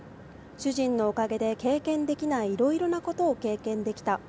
主人のおかげで経験できないいろいろなことを経験できた。